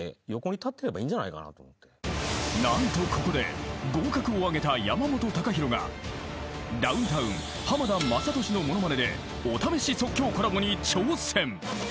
［何とここで合格を挙げた山本高広がダウンタウン浜田雅功のものまねでお試し即興コラボに挑戦］